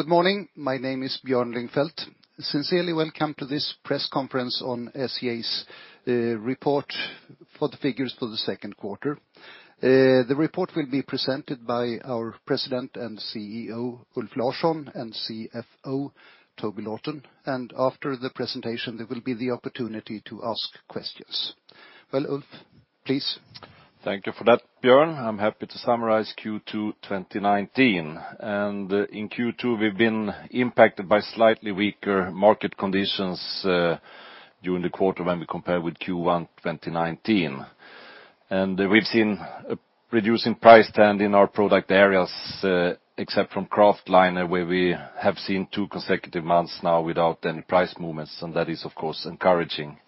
Good morning. My name is Björn Lyngfelt. Sincerely welcome to this press conference on SCA's report for the figures for the second quarter. The report will be presented by our President and CEO, Ulf Larsson, and CFO, Toby Lawton. After the presentation, there will be the opportunity to ask questions. Well, Ulf, please. Thank you for that, Björn. I'm happy to summarize Q2 2019. In Q2, we've been impacted by slightly weaker market conditions during the quarter when we compare with Q1 2019. We've seen a reducing price trend in our product areas, except from kraftliner, where we have seen two consecutive months now without any price movements, and that is, of course, encouraging.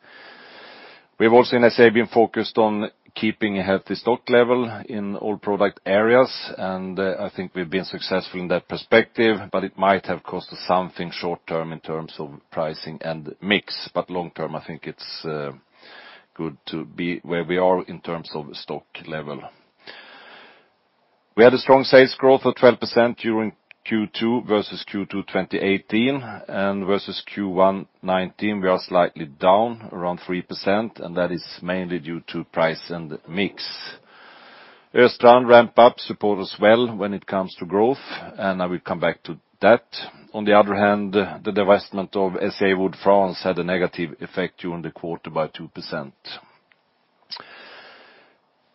We have also, in SCA, been focused on keeping a healthy stock level in all product areas, and I think we've been successful in that perspective, but it might have cost us something short-term in terms of pricing and mix. Long-term, I think it's good to be where we are in terms of stock level. We had a strong sales growth of 12% during Q2 versus Q2 2018, and versus Q1 2019 we are slightly down, around 3%, and that is mainly due to price and mix. Östrand ramp-up support as well when it comes to growth, and I will come back to that. On the other hand, the divestment of SCA Wood France had a negative effect during the quarter by 2%.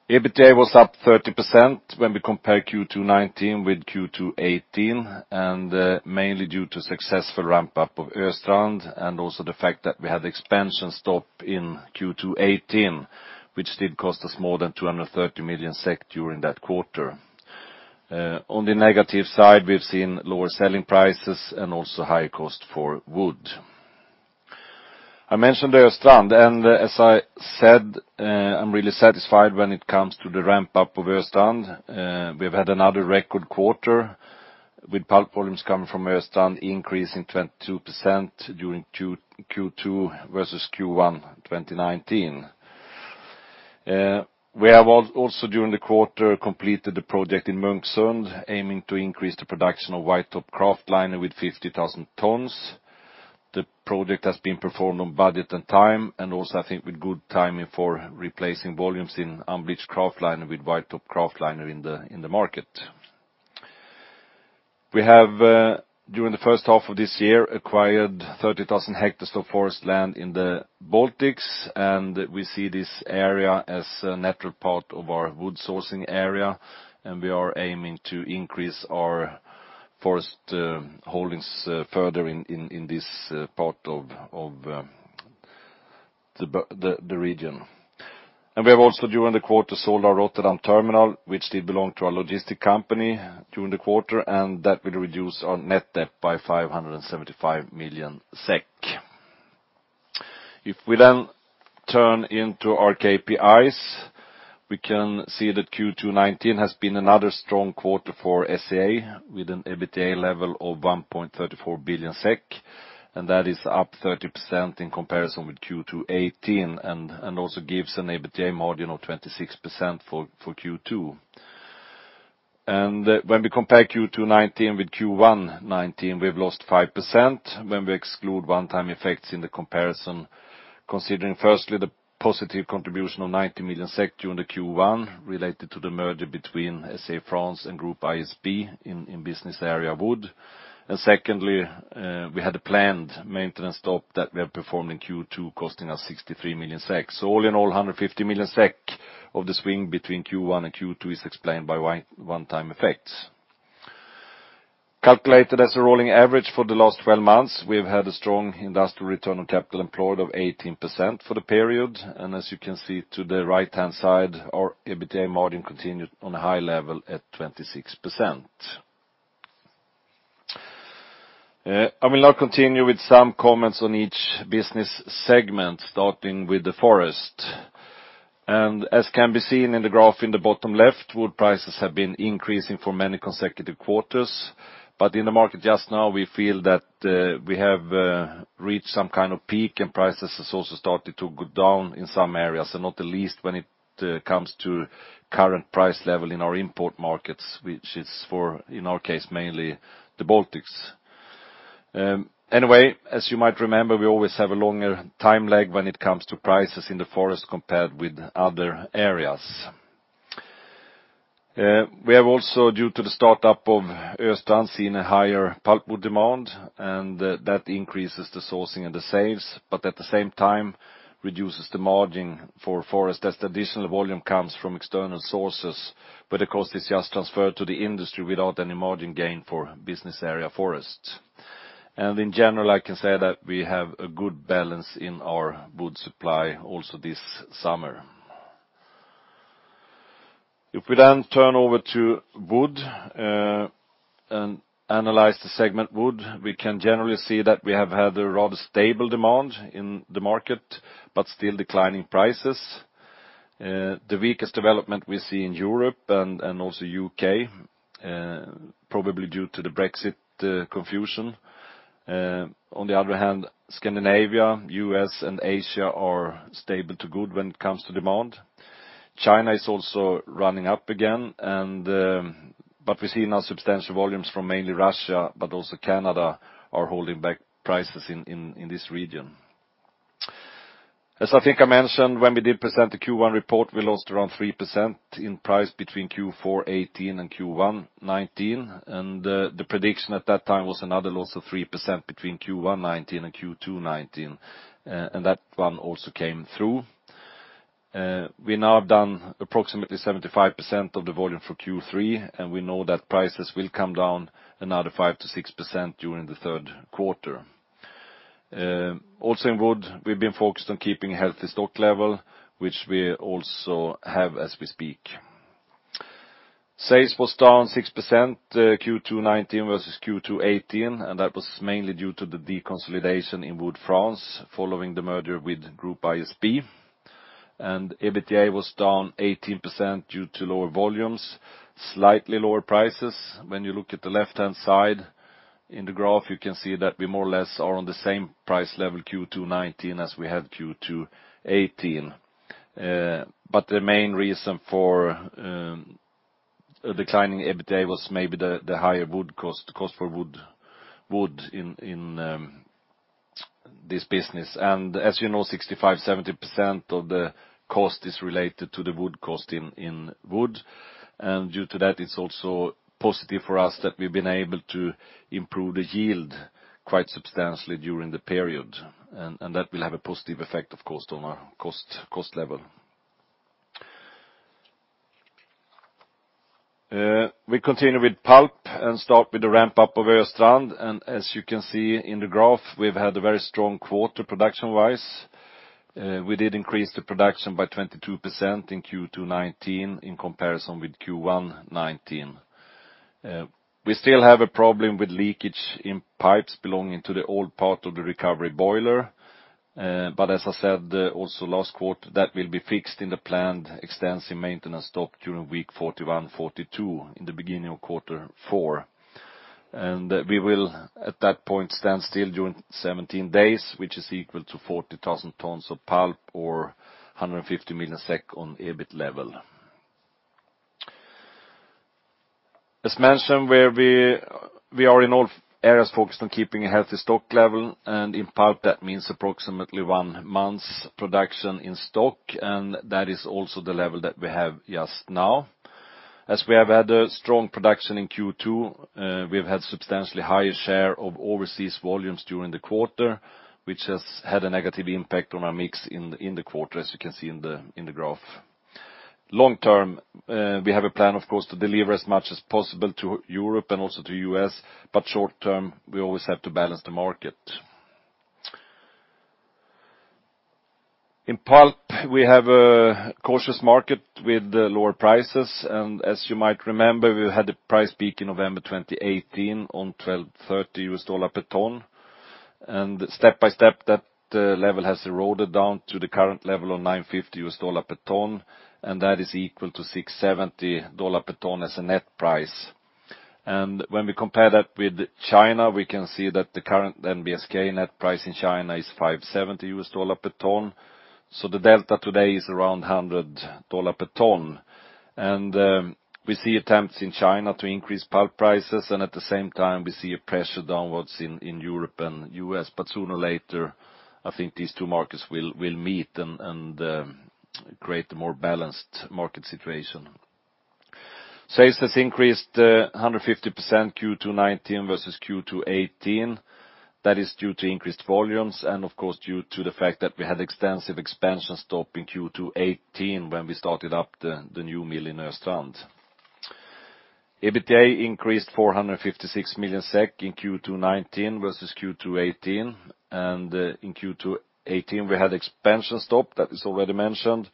EBITDA was up 30% when we compare Q2 2019 with Q2 2018, and mainly due to successful ramp-up of Östrand, and also the fact that we had expansion stop in Q2 2018, which did cost us more than 230 million SEK during that quarter. On the negative side, we've seen lower selling prices and also higher cost for wood. I mentioned Östrand, and as I said, I'm really satisfied when it comes to the ramp-up of Östrand. We've had another record quarter, with pulp volumes coming from Östrand increasing 22% during Q2 versus Q1 2019. We have also, during the quarter, completed the project in Munksund, aiming to increase the production of white-top kraftliner with 50,000 tonnes. The project has been performed on budget and time, and also, I think, with good timing for replacing volumes in unbleached kraftliner with white-top kraftliner in the market. We have, during the first half of this year, acquired 30,000 hectares of forest land in the Baltics, and we see this area as a natural part of our wood sourcing area, and we are aiming to increase our forest holdings further in this part of the region. We have also, during the quarter, sold our Rotterdam terminal, which did belong to our logistic company during the quarter, and that will reduce our net debt by 575 million SEK. We then turn into our KPIs, we can see that Q2 2019 has been another strong quarter for SCA, with an EBITDA level of 1.34 billion SEK, that is up 30% in comparison with Q2 2018 and also gives an EBITDA margin of 26% for Q2. When we compare Q2 2019 with Q1 2019, we've lost 5% when we exclude one-time effects in the comparison, considering firstly the positive contribution of 90 million during the Q1 related to the merger between SCA France and Groupe ISB in business area Wood. Secondly, we had a planned maintenance stop that we have performed in Q2, costing us 63 million SEK. All in all, 150 million SEK of the swing between Q1 and Q2 is explained by one-time effects. Calculated as a rolling average for the last 12 months, we've had a strong industrial return on capital employed of 18% for the period. As you can see to the right-hand side, our EBITDA margin continued on a high level at 26%. I will now continue with some comments on each business segment, starting with the forest. As can be seen in the graph in the bottom left, wood prices have been increasing for many consecutive quarters. In the market just now, we feel that we have reached some kind of peak, and prices has also started to go down in some areas, and not the least when it comes to current price level in our import markets, which is for, in our case, mainly the Baltics. As you might remember, we always have a longer time lag when it comes to prices in the forest compared with other areas. We have also, due to the start-up of Östrand, seen a higher pulpwood demand, and that increases the sourcing and the sales, but at the same time reduces the margin for forest as the additional volume comes from external sources, but the cost is just transferred to the industry without any margin gain for business area forest. In general, I can say that we have a good balance in our wood supply also this summer. We turn over to wood, and analyze the segment Wood, we can generally see that we have had a rather stable demand in the market, but still declining prices. The weakest development we see in Europe and also U.K., probably due to the Brexit confusion. On the other hand, Scandinavia, U.S., and Asia are stable to good when it comes to demand. China is also running up again, but we're seeing our substantial volumes from mainly Russia, but also Canada are holding back prices in this region. As I think I mentioned when we did present the Q1 report, we lost around 3% in price between Q4 2018 and Q1 2019, and the prediction at that time was another loss of 3% between Q1 2019 and Q2 2019, and that one also came through. We now have done approximately 75% of the volume for Q3, and we know that prices will come down another 5%-6% during the third quarter. Also, in wood, we've been focused on keeping a healthy stock level, which we also have as we speak. Sales was down 6% Q2 2019 versus Q2 2018, that was mainly due to the deconsolidation in Wood France, following the merger with Groupe ISB. EBITDA was down 18% due to lower volumes, slightly lower prices. When you look at the left-hand side in the graph, you can see that we more or less are on the same price level Q2 2019 as we had Q2 2018. The main reason for a decline in EBITDA was maybe the higher wood cost, the cost for wood in this business. As you know, 65%, 70% of the cost is related to the wood cost in wood. Due to that, it's also positive for us that we've been able to improve the yield quite substantially during the period, and that will have a positive effect, of course, on our cost level. We continue with pulp and start with the ramp-up of Östrand. As you can see in the graph, we've had a very strong quarter production-wise. We did increase the production by 22% in Q2 2019 in comparison with Q1 2019. We still have a problem with leakage in pipes belonging to the old part of the recovery boiler. As I said also last quarter, that will be fixed in the planned extensive maintenance stop during week 41 and 42 in the beginning of quarter four. We will, at that point, stand still during 17 days, which is equal to 40,000 tonnes of pulp or 150 million SEK on EBIT level. As mentioned, we are in all areas focused on keeping a healthy stock level. In pulp, that means approximately one month's production in stock. That is also the level that we have just now. As we have had a strong production in Q2, we've had substantially higher share of overseas volumes during the quarter, which has had a negative impact on our mix in the quarter, as you can see in the graph. Long term, we have a plan, of course, to deliver as much as possible to Europe and also to U.S., short term, we always have to balance the market. In pulp, we have a cautious market with lower prices. As you might remember, we had a price peak in November 2018 on $1,230 per tonne. Step by step, that level has eroded down to the current level of $950 per tonne, and that is equal to $670 per tonne as a net price. When we compare that with China, we can see that the current NBSK net price in China is $570 per tonne. The delta today is around $100 per tonne. We see attempts in China to increase pulp prices, at the same time, we see a pressure downwards in Europe and U.S., sooner or later, I think these two markets will meet and create a more balanced market situation. Sales has increased 150% Q2 2019 versus Q2 2018. That is due to increased volumes and of course, due to the fact that we had extensive expansion stop in Q2 2018 when we started up the new mill in Östrand. EBITDA increased 456 million SEK in Q2 2019 versus Q2 2018. In Q2 2018, we had expansion stop that was already mentioned,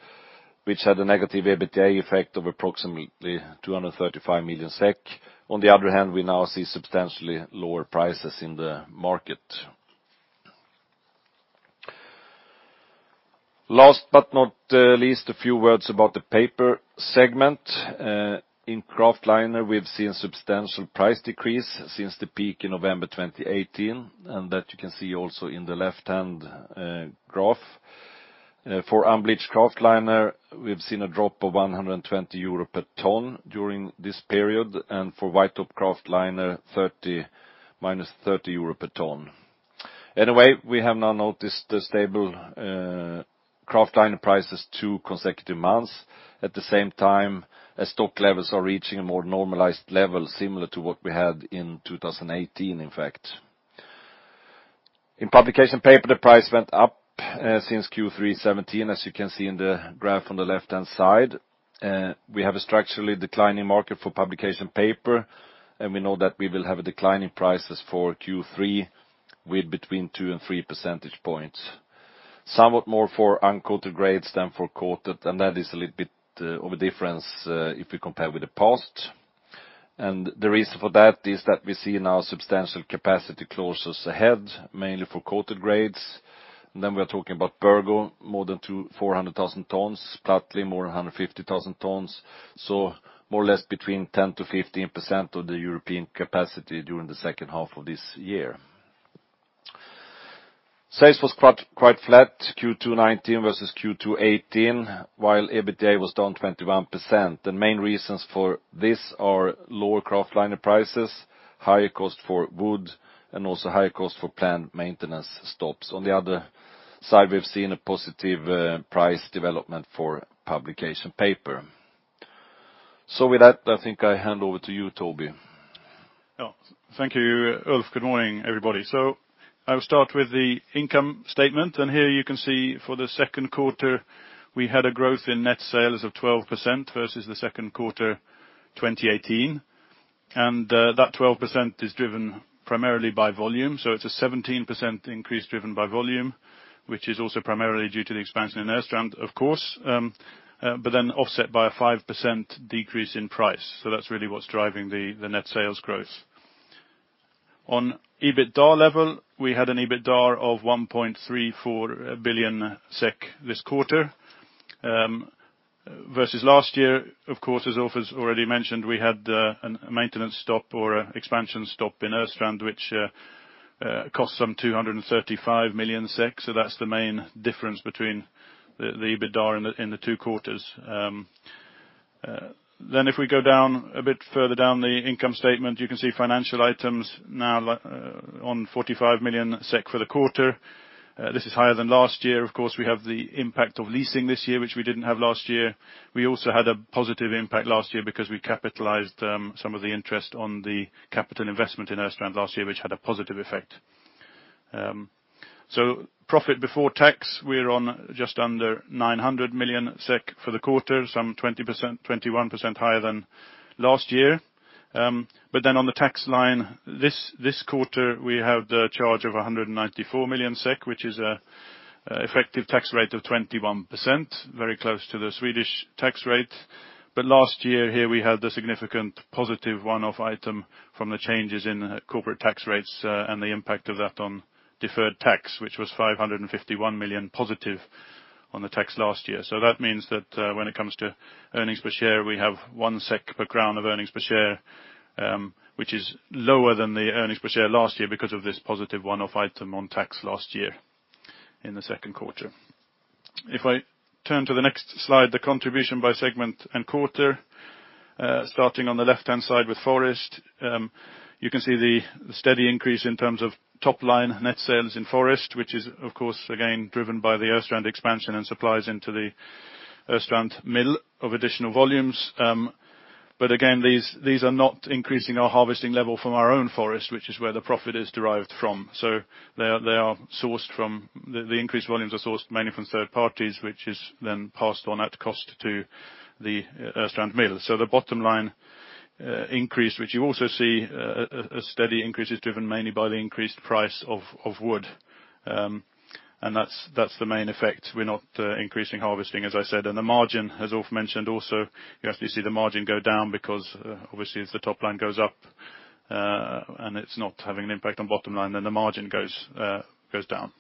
which had a negative EBITDA effect of approximately 235 million SEK. On the other hand, we now see substantially lower prices in the market. Last but not least, a few words about the paper segment. In kraftliner, we have seen substantial price decrease since the peak in November 2018, and that you can see also in the left-hand graph. For unbleached kraftliner, we have seen a drop of 120 euro per tonne during this period, and for white-top kraftliner, minus 30 euro per tonne. Anyway, we have now noticed the stable kraftliner prices two consecutive months. At the same time, as stock levels are reaching a more normalized level similar to what we had in 2018, in fact. In publication paper, the price went up since Q3 2017, as you can see in the graph on the left-hand side. We have a structurally declining market for publication paper, and we know that we will have a decline in prices for Q3 with between 2 and 3 percentage points. Somewhat more for uncoated grades than for coated, that is a little bit of a difference if you compare with the past. The reason for that is that we see now substantial capacity closures ahead, mainly for coated grades. We are talking about Burgo, more than 400,000 tonnes, Plattling more than 150,000 tonnes. More or less between 10%-15% of the European capacity during the second half of this year. Sales was quite flat, Q2 2019 versus Q2 2018, while EBITDA was down 21%. The main reasons for this are lower kraftliner prices, higher cost for wood, and also higher cost for planned maintenance stops. On the other side, we've seen a positive price development for publication paper. With that, I think I hand over to you, Toby. Thank you, Ulf. Good morning, everybody. I'll start with the income statement, and here you can see for the second quarter, we had a growth in net sales of 12% versus the second quarter 2018. That 12% is driven primarily by volume, so it's a 17% increase driven by volume, which is also primarily due to the expansion in Östrand, of course. Offset by a 5% decrease in price. That's really what's driving the net sales growth. On EBITDA level, we had an EBITDA of 1.34 billion SEK this quarter, versus last year, of course, as Ulf has already mentioned, we had a maintenance stop or expansion stop in Östrand, which cost some 235 million SEK. That's the main difference between the EBITDA in the two quarters. If we go a bit further down the income statement, you can see financial items now on 45 million SEK for the quarter. This is higher than last year. Of course, we have the impact of leasing this year, which we didn't have last year. We also had a positive impact last year because we capitalized some of the interest on the capital investment in Östrand last year, which had a positive effect. Profit before tax, we're on just under 900 million SEK for the quarter, some 20%, 21% higher than last year. On the tax line, this quarter, we have the charge of 194 million SEK, which is an effective tax rate of 21%, very close to the Swedish tax rate. Last year, here we had the significant positive one-off item from the changes in corporate tax rates, and the impact of that on deferred tax, which was 551 million positive on the tax last year. That means that, when it comes to earnings per share, we have 1 SEK per crown of earnings per share, which is lower than the earnings per share last year because of this positive one-off item on tax last year in the second quarter. If I turn to the next slide, the contribution by segment and quarter, starting on the left-hand side with forest. You can see the steady increase in terms of top line net sales in forest, which is, of course, again, driven by the Östrand expansion and supplies into the Östrand mill of additional volumes. Again, these are not increasing our harvesting level from our own forest, which is where the profit is derived from. The increased volumes are sourced mainly from third parties, which is then passed on at cost to the Östrand mill. The bottom line increase, which you also see a steady increase, is driven mainly by the increased price of wood. That's the main effect. We're not increasing harvesting, as I said. The margin, as Ulf mentioned also, you obviously see the margin go down because, as the top line goes up, and it's not having an impact on bottom line, then the margin goes down.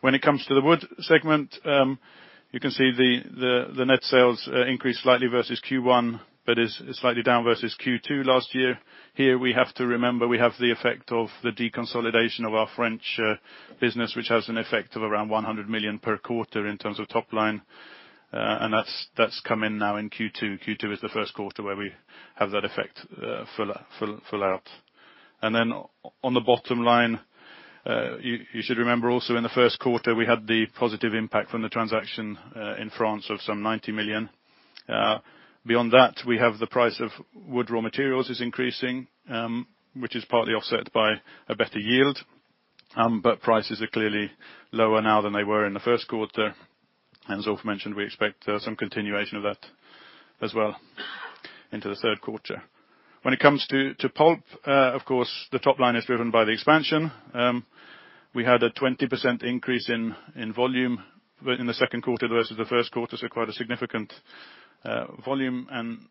When it comes to the wood segment, you can see the net sales increased slightly versus Q1, but is slightly down versus Q2 last year. We have to remember we have the effect of the deconsolidation of our French business, which has an effect of around 100 million per quarter in terms of top line. That's come in now in Q2. Q2 is the first quarter where we have that effect full out. On the bottom line, you should remember also in the first quarter, we had the positive impact from the transaction, in France of some 90 million. Beyond that, we have the price of wood raw materials is increasing, which is partly offset by a better yield. Prices are clearly lower now than they were in the first quarter. As Ulf mentioned, we expect some continuation of that as well into the third quarter. When it comes to pulp, of course, the top line is driven by the expansion. We had a 20% increase in volume in the second quarter versus the first quarter, so quite a significant volume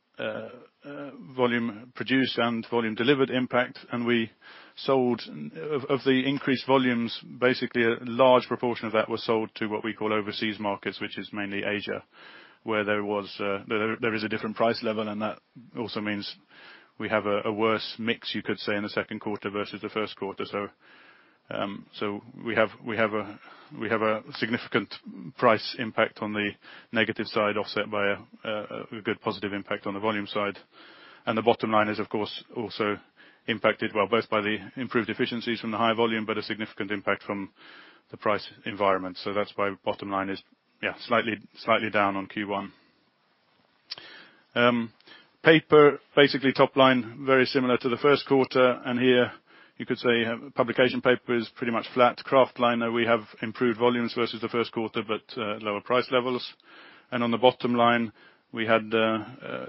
produced and volume delivered impact. Of the increased volumes, basically a large proportion of that was sold to what we call overseas markets, which is mainly Asia, where there is a different price level, and that also means we have a worse mix, you could say, in the second quarter versus the first quarter. We have a significant price impact on the negative side offset by a good positive impact on the volume side. The bottom line is, of course, also impacted, well, both by the improved efficiencies from the high volume, but a significant impact from the price environment. That's why bottom line is slightly down on Q1. Paper, basically top line, very similar to the first quarter, here you could say publication paper is pretty much flat. Kraftliner, we have improved volumes versus the first quarter, but lower price levels. On the bottom line, we had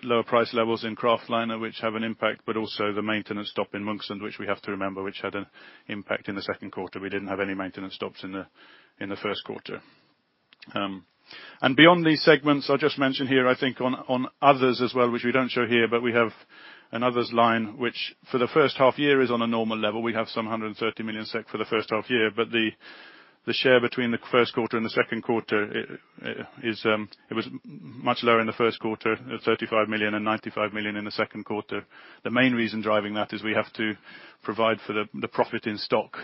lower price levels in kraftliner, which have an impact, but also the maintenance stop in Munksund, which we have to remember, which had an impact in the second quarter. We didn't have any maintenance stops in the first quarter. Beyond these segments, I'll just mention here, I think on others as well, which we don't show here, but we have an others line, which for the first half year is on a normal level. We have some 130 million SEK for the first half year. The share between the first quarter and the second quarter, it was much lower in the first quarter, at 35 million and 95 million in the second quarter. The main reason driving that is we have to provide for the profit in stock,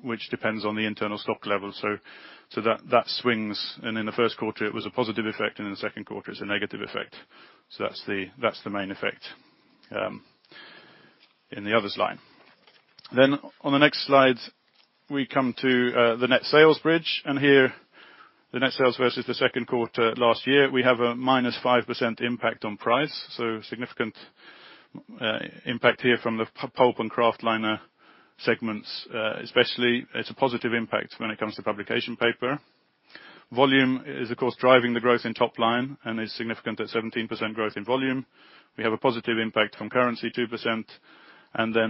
which depends on the internal stock level. That swings. In the first quarter it was a positive effect, and in the second quarter it's a negative effect. That's the main effect in the others line. On the next slide, we come to the net sales bridge. Here, the net sales versus the second quarter last year, we have a minus 5% impact on price. Significant impact here from the pulp and kraftliner segments, especially it's a positive impact when it comes to publication paper. Volume is, of course, driving the growth in top line and is significant at 17% growth in volume. We have a positive impact from currency 2%,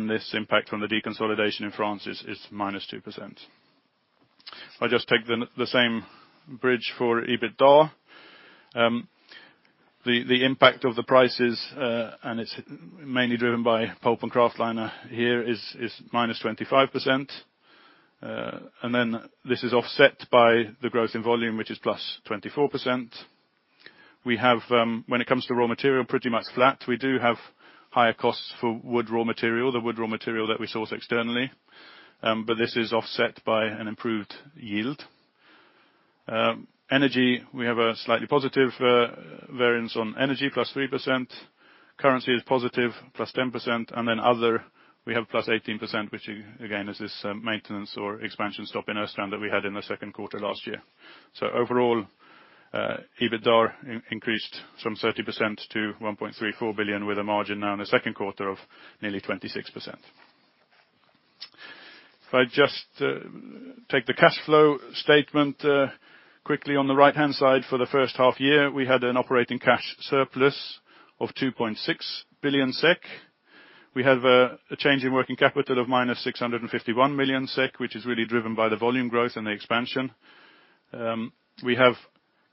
this impact from the deconsolidation in France is -2%. If I just take the same bridge for EBITDA. The impact of the prices, and it's mainly driven by pulp and kraftliner here, is -25%. This is offset by the growth in volume, which is +24%. We have, when it comes to raw material, pretty much flat. We do have higher costs for wood raw material, the wood raw material that we source externally. This is offset by an improved yield. Energy, we have a slightly positive variance on energy, +3%. Currency is positive, +10%. Other, we have +18%, which again, is this maintenance or expansion stop in Östrand that we had in the second quarter last year. Overall, EBITDA increased from 30% to 1.34 billion, with a margin now in the second quarter of nearly 26%. If I just take the cash flow statement quickly on the right-hand side for the first half year, we had an operating cash surplus of 2.6 billion SEK. We have a change in working capital of -651 million SEK, which is really driven by the volume growth and the expansion. We have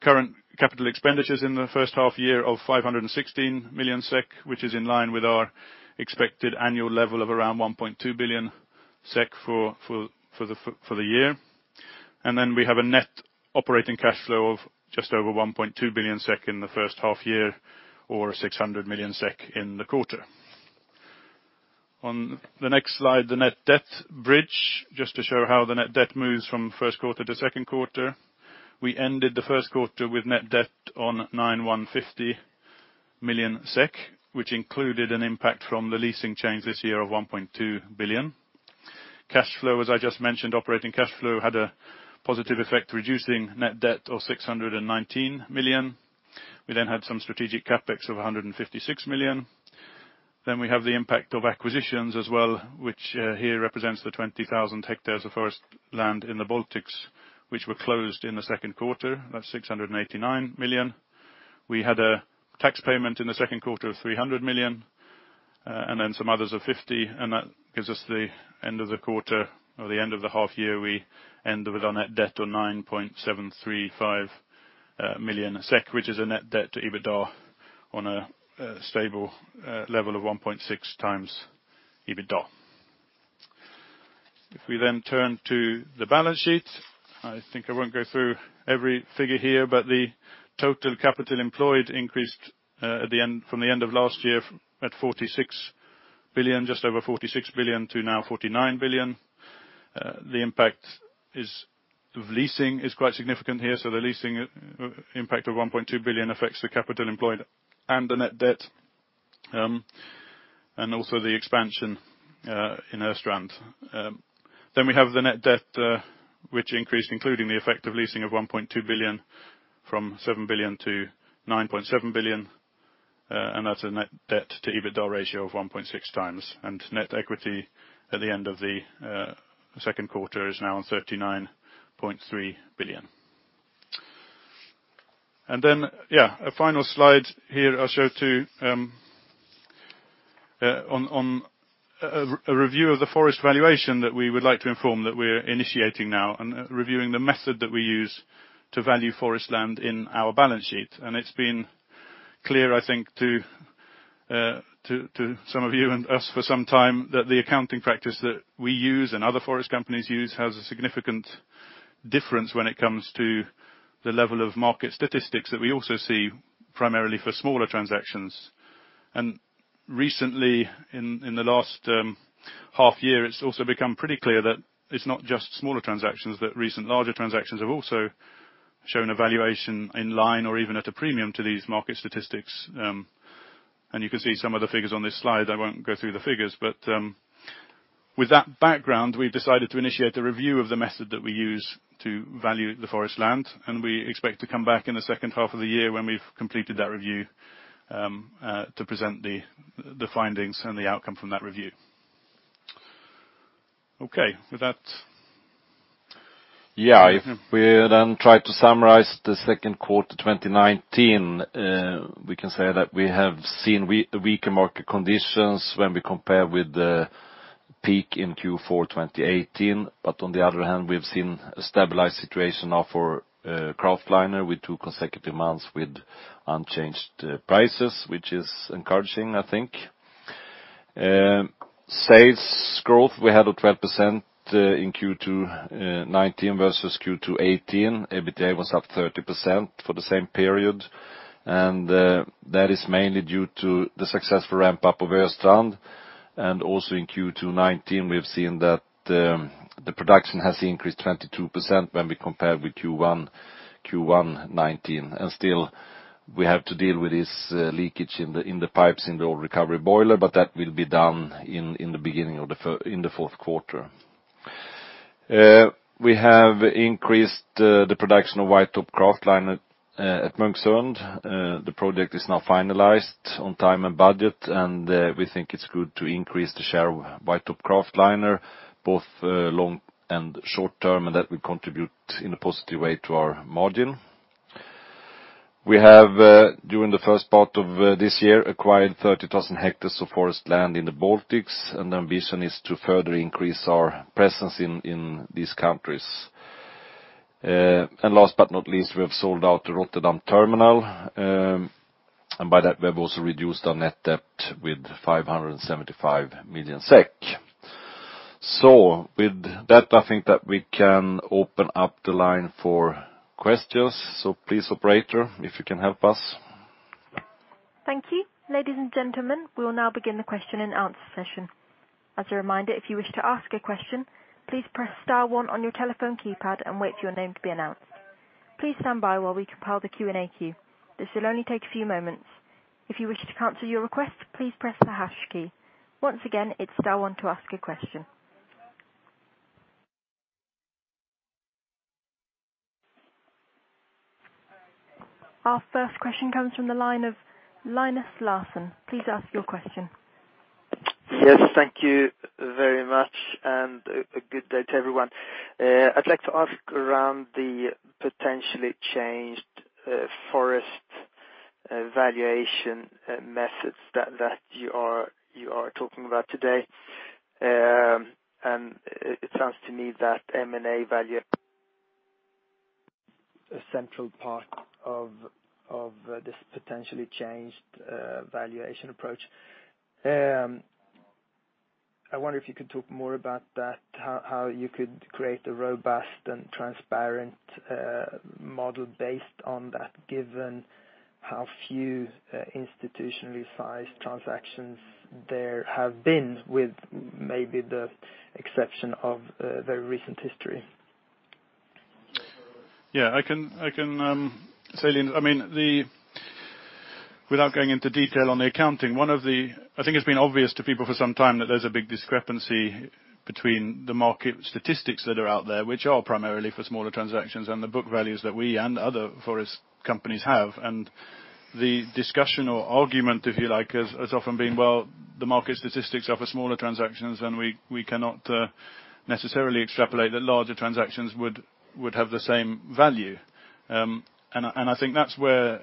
current capital expenditures in the first half year of 516 million SEK, which is in line with our expected annual level of around 1.2 billion SEK for the year. We have a net operating cash flow of just over 1.2 billion SEK in the first half year or 600 million SEK in the quarter. On the next slide, the net debt bridge, just to show how the net debt moves from first quarter to second quarter. We ended the first quarter with net debt on 9,150 million SEK, which included an impact from the leasing change this year of 1.2 billion. Cash flow, as I just mentioned, operating cash flow had a positive effect, reducing net debt of 619 million. We have some strategic CapEx of 156 million. We have the impact of acquisitions as well, which here represents the 20,000 hectares of forest land in the Baltics, which were closed in the second quarter. That's 689 million. We had a tax payment in the second quarter of 300 million, and then some others of 50, and that gives us the end of the quarter or the end of the half year. We end with our net debt on 9,735 million SEK, which is a net debt to EBITDA on a stable level of 1.6 times EBITDA. If we turn to the balance sheet, I think I won't go through every figure here, but the total capital employed increased from the end of last year at 46 billion, just over 46 billion to now 49 billion. The impact of leasing is quite significant here. The leasing impact of 1.2 billion affects the capital employed and the net debt, and also the expansion in Östrand. We have the net debt, which increased including the effect of leasing of 1.2 billion from 7 billion to 9.7 billion. That's a net debt to EBITDA ratio of 1.6 times. Net equity at the end of the second quarter is now on 39.3 billion. Then, yeah, a final slide here I'll show too on a review of the forest valuation that we would like to inform that we're initiating now and reviewing the method that we use to value forest land in our balance sheet. It's been clear, I think to some of you and us for some time that the accounting practice that we use and other forest companies use has a significant difference when it comes to the level of market statistics that we also see primarily for smaller transactions. Recently, in the last half year, it's also become pretty clear that it's not just smaller transactions, that recent larger transactions have also shown a valuation in line or even at a premium to these market statistics. You can see some of the figures on this slide. I won't go through the figures. With that background, we've decided to initiate a review of the method that we use to value the forest land, and we expect to come back in the second half of the year when we've completed that review, to present the findings and the outcome from that review. Okay, with that. If we try to summarize the second quarter 2019, we can say that we have seen weaker market conditions when we compare with the peak in Q4 2018, but on the other hand, we've seen a stabilized situation now for kraftliner with two consecutive months with unchanged prices, which is encouraging, I think. Sales growth we had at 12% in Q2 2019 versus Q2 2018. EBITDA was up 30% for the same period, that is mainly due to the successful ramp-up of Östrand. Also in Q2 2019, we have seen that the production has increased 22% when we compare with Q1 2019. Still, we have to deal with this leakage in the pipes in the old recovery boiler, but that will be done in the beginning of the fourth quarter. We have increased the production of white-top kraftliner at Munksund. The project is now finalized on time and budget. We think it's good to increase the share of white-top kraftliner, both long and short term. That will contribute in a positive way to our margin. We have, during the first part of this year, acquired 30,000 hectares of forest land in the Baltics. The ambition is to further increase our presence in these countries. Last but not least, we have sold out the Rotterdam terminal. By that we have also reduced our net debt with 575 million SEK. With that, I think that we can open up the line for questions. Please, operator, if you can help us. Thank you. Ladies and gentlemen, we will now begin the Q&A session. As a reminder, if you wish to ask a question, please press star one on your telephone keypad and wait for your name to be announced. Please stand by while we compile the Q&A queue. This will only take a few moments. If you wish to cancel your request, please press the hash key. Once again, it's star one to ask a question. Our first question comes from the line of Linus Larsson. Please ask your question. Yes, thank you very much and a good day to everyone. I'd like to ask around the potentially changed forest valuation methods that you are talking about today. It sounds to me that M&A value- a central part of this potentially changed valuation approach. I wonder if you could talk more about that, how you could create a robust and transparent model based on that, given how few institutionally sized transactions there have been with maybe the exception of the recent history. Yeah, I can say, Linus, without going into detail on the accounting, I think it's been obvious to people for some time that there's a big discrepancy between the market statistics that are out there, which are primarily for smaller transactions, and the book values that we and other forest companies have. The discussion or argument, if you like, has often been, well, the market statistics are for smaller transactions, and we cannot necessarily extrapolate that larger transactions would have the same value. I think that's where,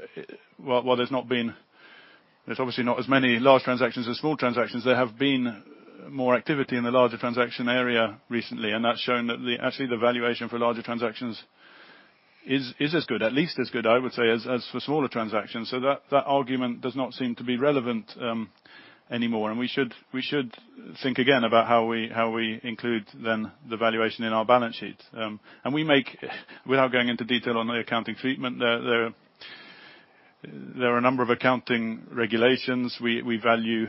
while there's obviously not as many large transactions as small transactions, there have been more activity in the larger transaction area recently, and that's shown that actually the valuation for larger transactions is as good, at least as good, I would say, as for smaller transactions. That argument does not seem to be relevant anymore. We should think again about how we include then the valuation in our balance sheet. We make, without going into detail on the accounting treatment, there are a number of accounting regulations. We value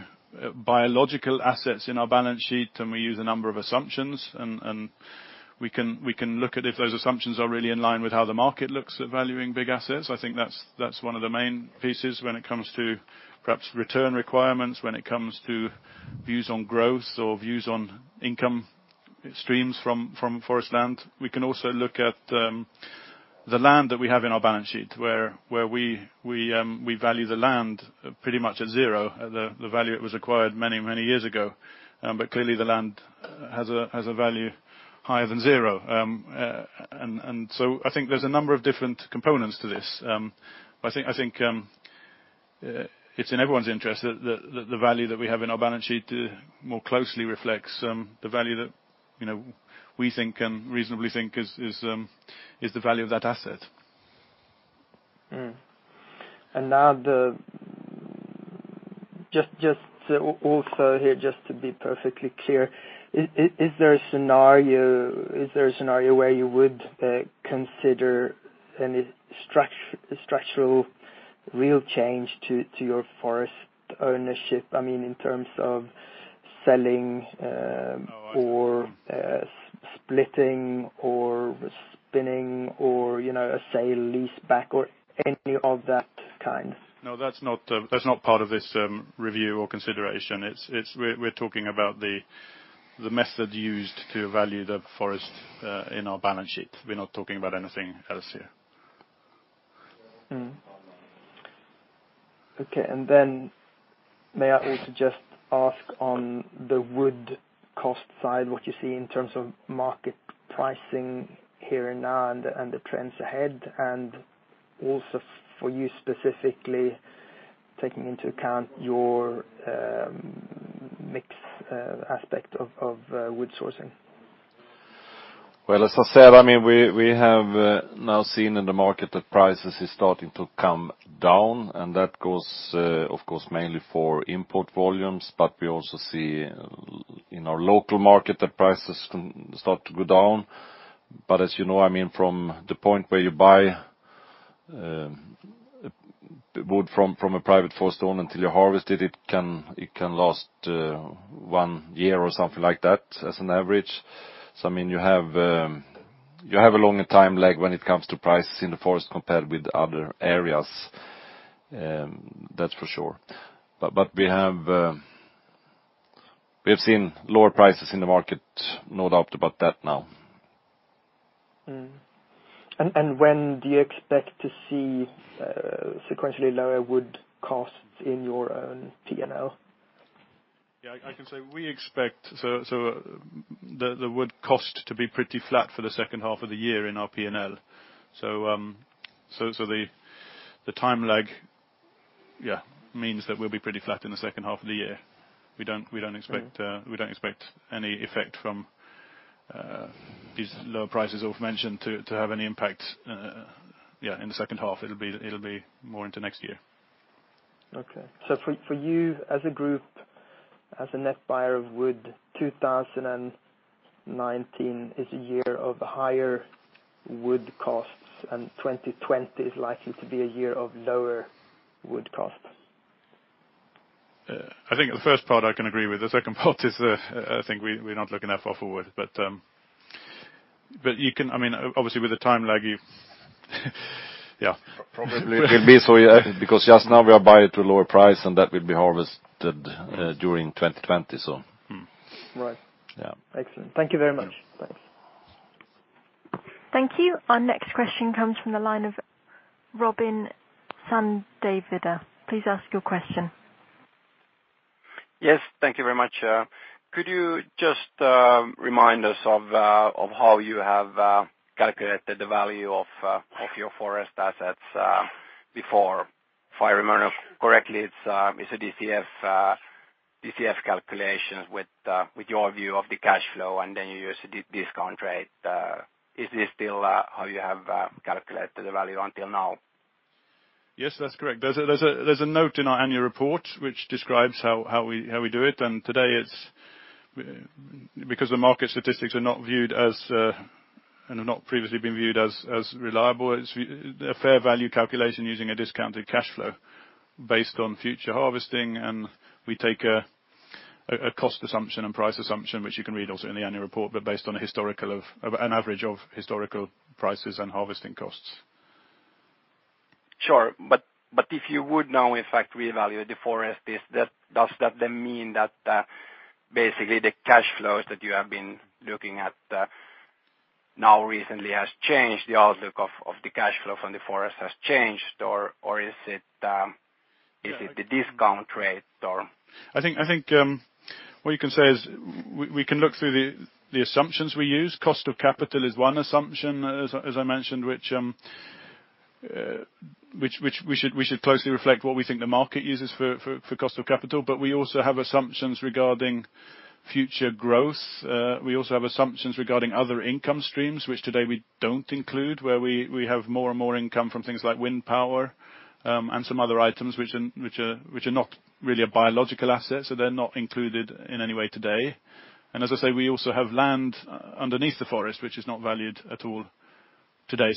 biological assets in our balance sheet, and we use a number of assumptions, and we can look at if those assumptions are really in line with how the market looks at valuing big assets. I think that's one of the main pieces when it comes to perhaps return requirements, when it comes to views on growth or views on income streams from forest land. We can also look at the land that we have in our balance sheet, where we value the land pretty much at zero, the value it was acquired many years ago. Clearly the land has a value higher than zero. I think there's a number of different components to this. I think it's in everyone's interest that the value that we have in our balance sheet more closely reflects the value that we reasonably think is the value of that asset. Now, just also here, just to be perfectly clear, is there a scenario where you would consider any structural real change to your forest ownership, in terms of selling or splitting or spinning or a sale lease back or any of that kind? No, that's not part of this review or consideration. We're talking about the method used to value the forest in our balance sheet. We're not talking about anything else here. Okay. May I also just ask on the wood cost side, what you see in terms of market pricing here and now and the trends ahead, and also for you specifically, taking into account your mix aspect of wood sourcing? Well, as I said, we have now seen in the market that prices is starting to come down, and that goes, of course, mainly for import volumes, but we also see in our local market that prices start to go down. As you know, from the point where you buy wood from a private forest owner until you harvest it can last one year or something like that, as an average. You have a longer time lag when it comes to prices in the forest compared with other areas, that's for sure. We have seen lower prices in the market, no doubt about that now. When do you expect to see sequentially lower wood costs in your own P&L? Yeah, I can say, we expect the wood cost to be pretty flat for the second half of the year in our P&L. The time lag, yeah, means that we'll be pretty flat in the second half of the year. We don't expect any effect from these lower prices Ulf mentioned to have any impact in the second half. It'll be more into next year. Okay. For you as a group, as a net buyer of wood, 2019 is a year of higher wood costs, and 2020 is likely to be a year of lower wood costs? I think the first part I can agree with. The second part is, I think we're not looking that far forward, obviously with the time lag. Probably it will be so, yeah, because just now we are buying at a lower price, and that will be harvested during 2020. Right. Yeah. Excellent. Thank you very much. Thanks. Thank you. Our next question comes from the line of Robin Santavirta. Please ask your question. Yes, thank you very much. Could you just remind us of how you have calculated the value of your forest assets before? If I remember correctly, it's a DCF calculations with your view of the cash flow, and then you use a discount rate. Is this still how you have calculated the value until now? Yes, that's correct. There's a note in our annual report which describes how we do it. Today, because the market statistics are not viewed as, and have not previously been viewed as reliable, it's a fair value calculation using a discounted cash flow based on future harvesting. We take a cost assumption and price assumption, which you can read also in the annual report, but based on an average of historical prices and harvesting costs. Sure. If you would now, in fact, reevaluate the forest, does that then mean that basically the cash flows that you have been looking at now recently has changed the outlook of the cash flow from the forest has changed or is it the discount rate? I think what you can say is we can look through the assumptions we use. Cost of capital is one assumption, as I mentioned, which we should closely reflect what we think the market uses for cost of capital. We also have assumptions regarding future growth. We also have assumptions regarding other income streams, which today we don't include, where we have more and more income from things like wind power, and some other items, which are not really a biological asset, so they're not included in any way today. As I say, we also have land underneath the forest, which is not valued at all today.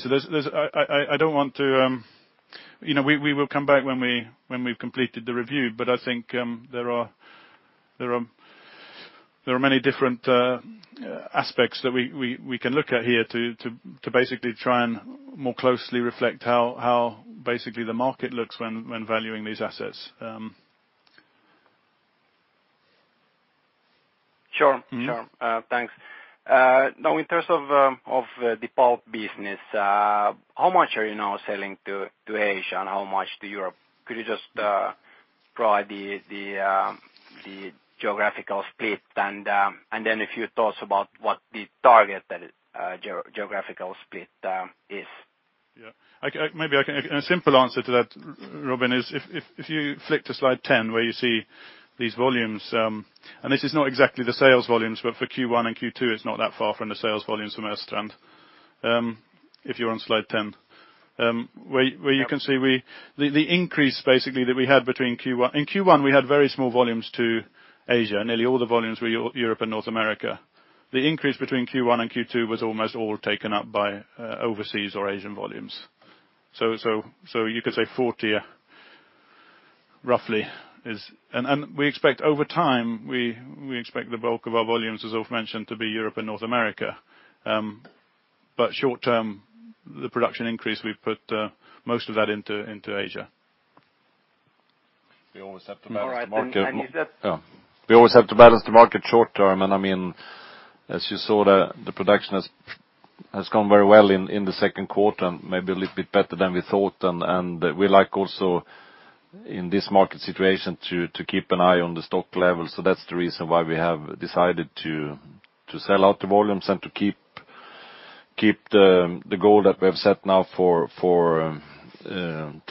We will come back when we've completed the review, but I think there are many different aspects that we can look at here to basically try and more closely reflect how basically the market looks when valuing these assets. Sure. Thanks. In terms of the pulp business, how much are you now selling to Asia and how much to Europe? Could you just provide the geographical split and then if you thought about what the target that geographical split is? A simple answer to that, Robin, is if you flick to slide 10 where you see these volumes, and this is not exactly the sales volumes, but for Q1 and Q2, it's not that far from the sales volumes from Östrand. In Q1, we had very small volumes to Asia. Nearly all the volumes were Europe and North America. The increase between Q1 and Q2 was almost all taken up by overseas or Asian volumes. You could say 40, roughly. We expect over time, we expect the bulk of our volumes, as Ulf mentioned, to be Europe and North America. Short term, the production increase, we've put most of that into Asia. We always have to balance the market. All right. We always have to balance the market short term, and as you saw, the production has gone very well in the second quarter, and maybe a little bit better than we thought. We like also in this market situation to keep an eye on the stock level. That's the reason why we have decided to sell out the volumes and to keep the goal that we have set now to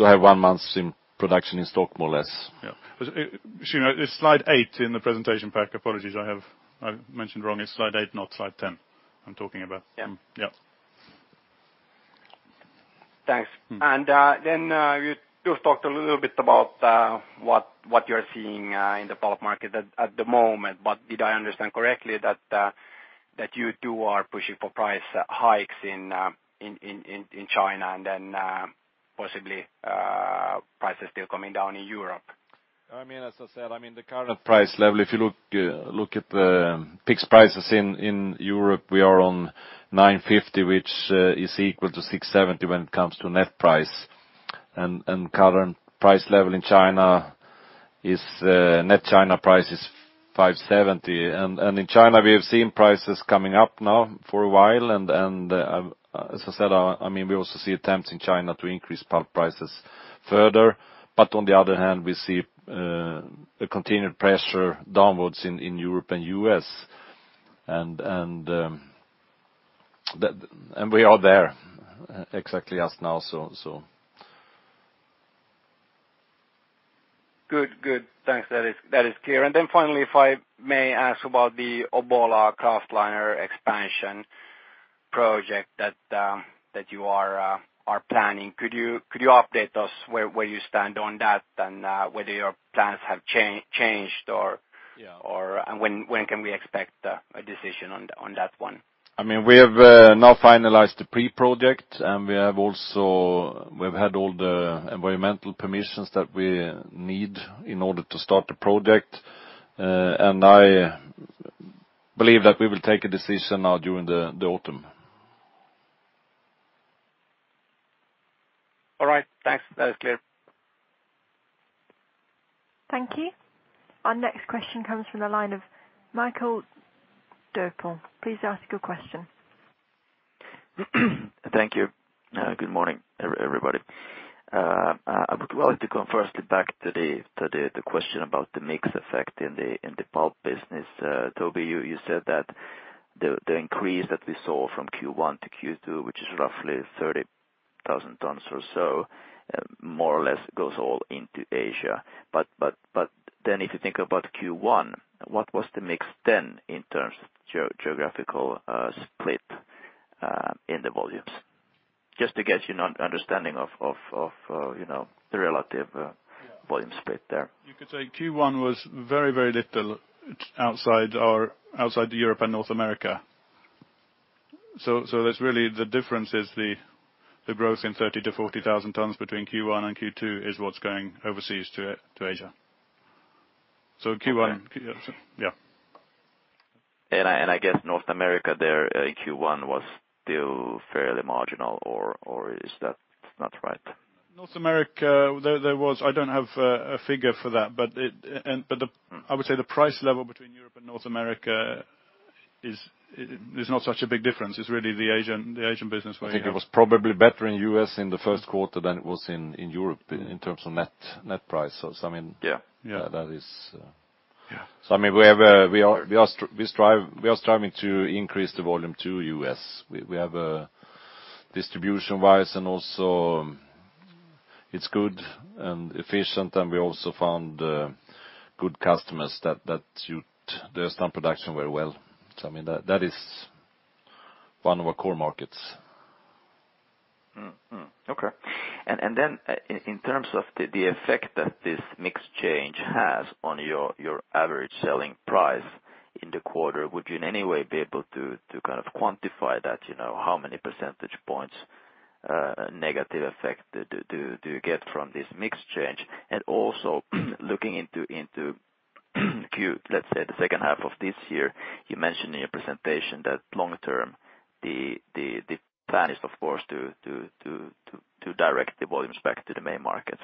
have one month's production in stock, more or less. Yeah. It's slide eight in the presentation pack. Apologies, I mentioned wrong. It's slide eight, not slide 10, I'm talking about. Yeah. Yeah. Thanks. You've talked a little bit about what you're seeing in the pulp market at the moment, but did I understand correctly that you two are pushing for price hikes in China and then possibly prices still coming down in Europe? I mean, as I said, the current price level, if you look at the fixed prices in Europe, we are on $950, which is equal to $670 when it comes to net price. Current net China price is $570. In China, we have seen prices coming up now for a while. As I said, we also see attempts in China to increase pulp prices further. On the other hand, we see a continued pressure downwards in Europe and U.S. We are there exactly as now. Good. Thanks. That is clear. Finally, if I may ask about the Obbola kraftliner expansion project that you are planning. Could you update us where you stand on that and whether your plans have changed? Yeah. When can we expect a decision on that one? We have now finalized the pre-project, and we've had all the environmental permissions that we need in order to start the project. I believe that we will take a decision now during the autumn. All right. Thanks. That is clear. Thank you. Our next question comes from the line of Mikael Doepel. Please ask your question. Thank you. Good morning, everybody. I would like to come first back to the question about the mix effect in the pulp business. Toby, you said that the increase that we saw from Q1 to Q2, which is roughly 30,000 tonnes or so, more or less goes all into Asia. If you think about Q1, what was the mix then in terms of geographical split in the volumes? Just to get an understanding of the relative volume split there. You could say Q1 was very little outside the Europe and North America. Really, the difference is the growth in 30 to 40,000 tonnes between Q1 and Q2 is what's going overseas to Asia. So Q1. Okay. Yeah. I guess North America there in Q1 was still fairly marginal or is that not right? North America, I don't have a figure for that, I would say the price level between Europe and North America is not such a big difference. It's really the Asian business where you have- I think it was probably better in U.S. in the first quarter than it was in Europe in terms of net price. Yeah. We are striving to increase the volume to U.S. We have a distribution-wise and also it's good and efficient, and we also found good customers that do their stump production very well. That is one of our core markets. Okay. In terms of the effect that this mix change has on your average selling price in the quarter, would you in any way be able to quantify that, how many percentage points negative effect do you get from this mix change? Also looking into, let's say the second half of this year, you mentioned in your presentation that long term, the plan is of course to direct the volumes back to the main markets.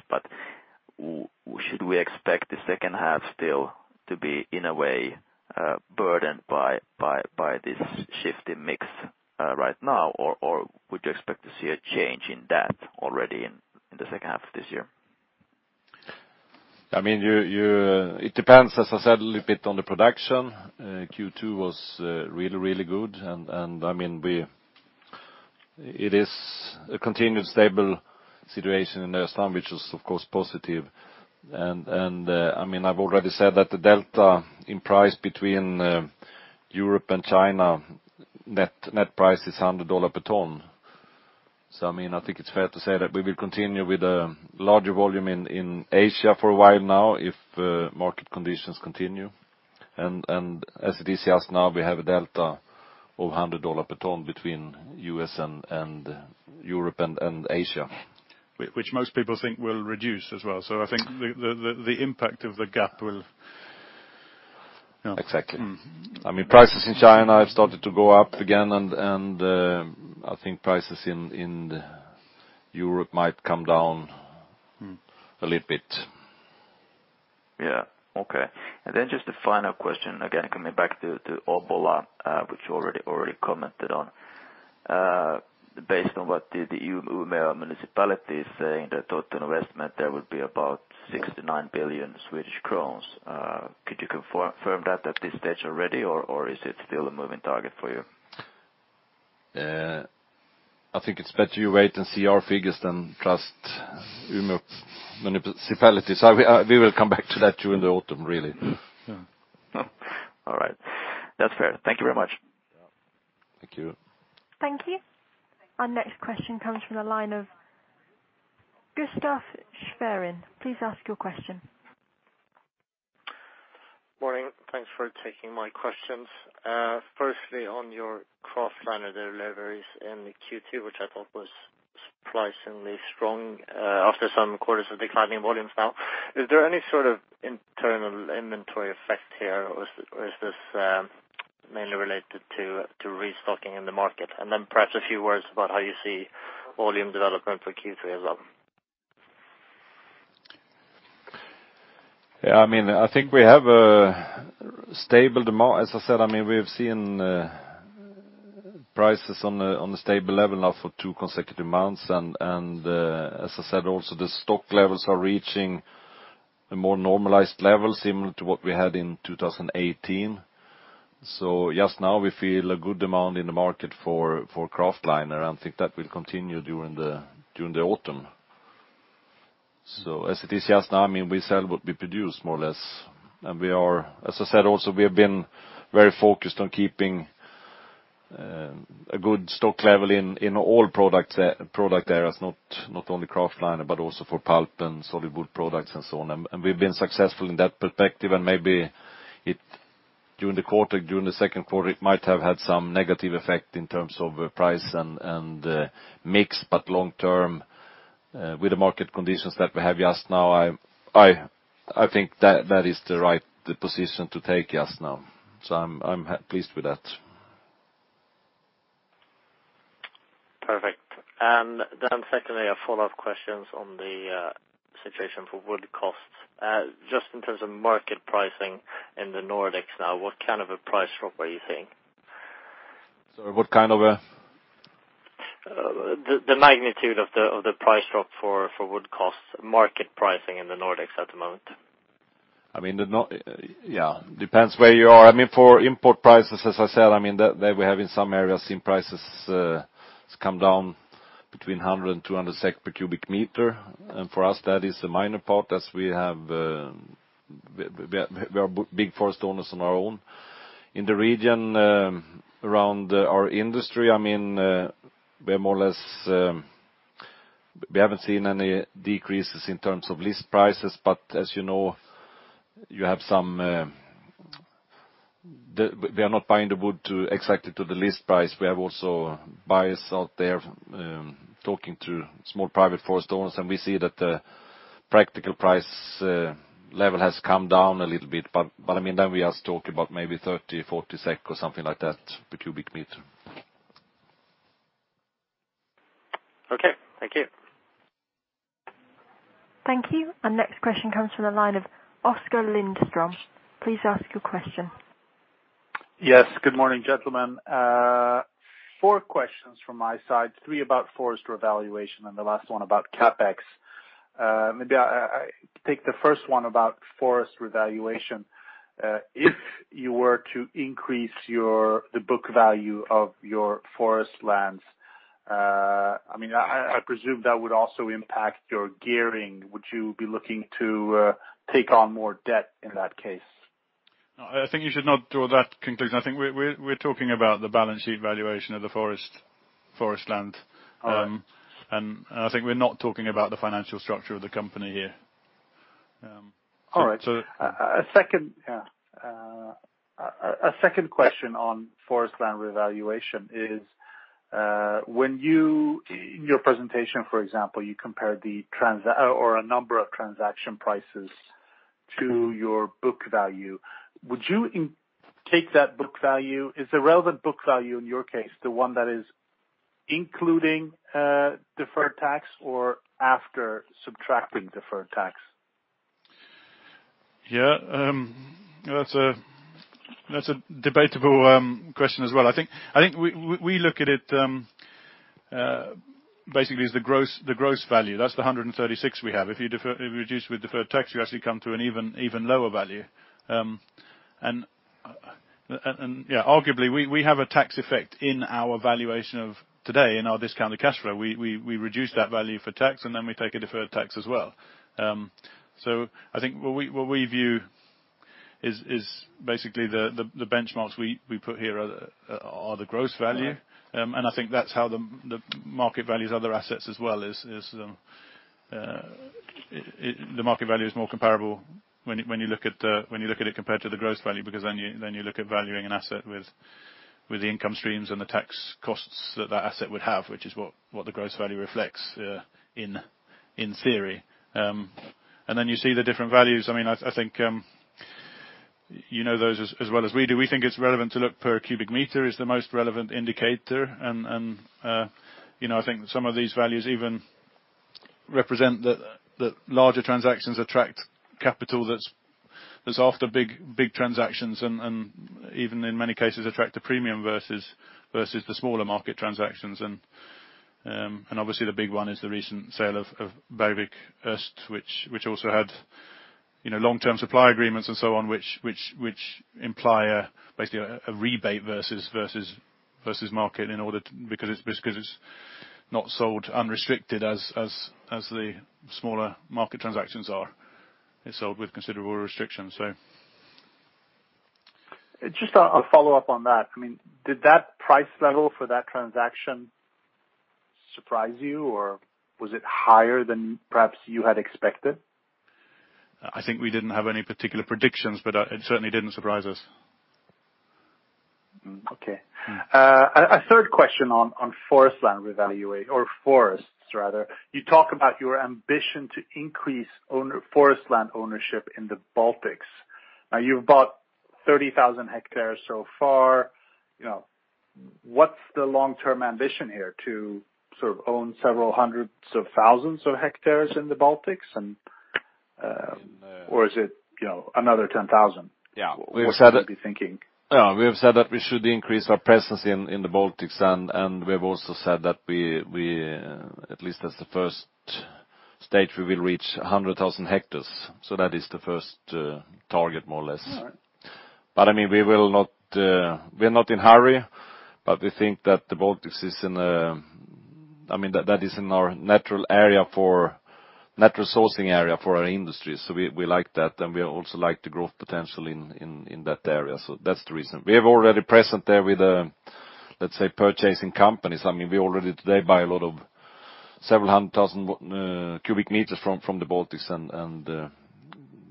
Should we expect the second half still to be in a way burdened by this shift in mix right now, or would you expect to see a change in that already in the second half of this year? It depends, as I said, a little bit on the production. Q2 was really good and it is a continued stable situation in the East, which is of course positive. I've already said that the delta in price between Europe and China, net price is $100 per tonne. I think it's fair to say that we will continue with a larger volume in Asia for a while now if market conditions continue. As it is just now, we have a delta of $100 per tonne between U.S. and Europe and Asia. Which most people think will reduce as well. I think the impact of the gap will- Exactly. Prices in China have started to go up again, and I think prices in Europe might come down a little bit. Yeah. Okay. Just a final question, again, coming back to Obbola, which you already commented on. Based on what the Umeå Municipality is saying, the total investment there would be about 6 billion-9 billion Swedish crowns. Could you confirm that at this stage already, or is it still a moving target for you? I think it's better you wait and see our figures than trust Umeå Municipality. We will come back to that during the autumn, really. All right. That's fair. Thank you very much. Yeah. Thank you. Thank you. Our next question comes from the line of Gustaf Schwerin. Please ask your question. Morning. Thanks for taking my questions. Firstly, on your kraftliner of the deliveries in the Q2, which I thought was surprisingly strong, after some quarters of declining volumes now. Is there any sort of internal inventory effect here, or is this mainly related to restocking in the market? Perhaps a few words about how you see volume development for Q3 as well. Yeah, I think we have a stable demand. As I said, we have seen prices on a stable level now for two consecutive months. As I said, also the stock levels are reaching a more normalized level, similar to what we had in 2018. Just now we feel a good demand in the market for kraftliner, and think that will continue during the autumn. As it is just now, we sell what we produce, more or less. As I said also, we have been very focused on keeping a good stock level in all product areas, not only kraftliner, but also for pulp and solid wood products and so on. We've been successful in that perspective, and maybe during the second quarter, it might have had some negative effect in terms of price and mix, but long term, with the market conditions that we have just now, I think that is the right position to take just now. I'm pleased with that. Perfect. Then secondly, a follow-up question on the situation for wood costs. Just in terms of market pricing in the Nordics now, what kind of a price drop are you seeing? Sorry, what kind of a- The magnitude of the price drop for wood costs, market pricing in the Nordics at the moment. Yeah. Depends where you are. For import prices, as I said, there we have in some areas seen prices come down between 100 and 200 SEK per cubic meter. For us, that is a minor part as we are big forest owners on our own. In the region around our industry, we haven't seen any decreases in terms of list prices, but as you know, we are not buying the wood exactly to the list price. We have also buyers out there, talking to small private forest owners, and we see that the practical price level has come down a little bit. We are talking about maybe 30, 40 SEK or something like that, per cubic meter. Okay. Thank you. Thank you. Our next question comes from the line of Oskar Lindström. Please ask your question. Yes. Good morning, gentlemen. Four questions from my side, three about forest revaluation, and the last one about CapEx. Maybe I take the first one about forest revaluation. If you were to increase the book value of your forest lands, I presume that would also impact your gearing. Would you be looking to take on more debt in that case? No, I think you should not draw that conclusion. I think we're talking about the balance sheet valuation of the forest land. All right. I think we're not talking about the financial structure of the company here. All right. A second question on forest land revaluation is, in your presentation, for example, you compared a number of transaction prices to your book value. Is the relevant book value in your case the one that is including deferred tax or after subtracting deferred tax? Yeah. That's a debatable question as well. I think we look at it, basically, as the gross value. That's the 136 we have. If you reduce with deferred tax, you actually come to an even lower value. Yeah, arguably, we have a tax effect in our valuation of today in our discounted cash flow. We reduce that value for tax, and then we take a deferred tax as well. I think what we view is basically the benchmarks we put here are the gross value. Okay. I think that's how the market values other assets as well is, the market value is more comparable when you look at it compared to the gross value, because then you look at valuing an asset with the income streams and the tax costs that that asset would have, which is what the gross value reflects, in theory. Then you see the different values. I think you know those as well as we do. We think it's relevant to look per cubic meter, is the most relevant indicator. I think some of these values even represent that larger transactions attract capital that's after big transactions, and even in many cases, attract a premium versus the smaller market transactions. Obviously the big one is the recent sale of Bergvik Öst, which also had long-term supply agreements and so on, which imply basically a rebate versus market because it's not sold unrestricted as the smaller market transactions are. It's sold with considerable restrictions. Just a follow-up on that. Did that price level for that transaction surprise you, or was it higher than perhaps you had expected? I think we didn't have any particular predictions, but it certainly didn't surprise us. Okay. A third question on forest land revaluation, or forests rather. You talk about your ambition to increase forest land ownership in the Baltics. Now, you've bought 30,000 hectares so far. What's the long-term ambition here? To sort of own several hundreds of thousands of hectares in the Baltics? Or is it another 10,000? Yeah. What should we be thinking? We have said that we should increase our presence in the Baltics. We have also said that at least as the first stage, we will reach 100,000 hectares. That is the first target, more or less. All right. We're not in hurry, but we think that the Baltics, that is a natural sourcing area for our industry, so we like that, and we also like the growth potential in that area. That's the reason. We have already present there with, let's say, purchasing companies. We already today buy several hundred thousand cubic meters from the Baltics, and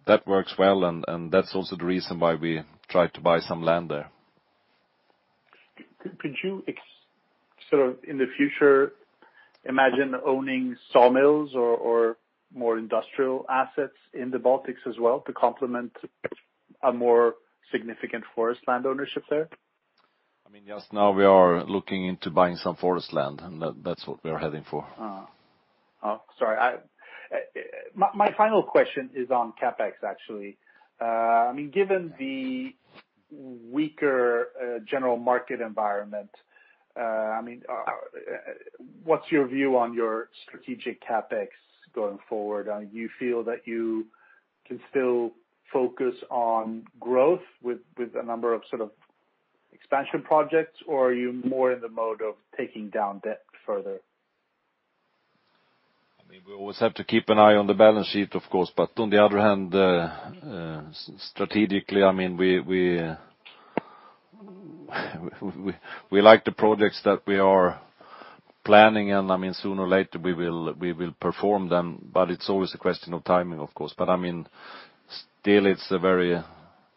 that works well, and that's also the reason why we try to buy some land there. Could you, in the future, imagine owning sawmills or more industrial assets in the Baltics as well to complement a more significant forest land ownership there? Just now we are looking into buying some forest land, and that's what we're heading for. Oh, sorry. My final question is on CapEx, actually. Given the weaker general market environment, what's your view on your strategic CapEx going forward? Do you feel that you can still focus on growth with a number of expansion projects, or are you more in the mode of taking down debt further? We always have to keep an eye on the balance sheet, of course. On the other hand, strategically, we like the projects that we are planning, and sooner or later, we will perform them. It's always a question of timing. Still,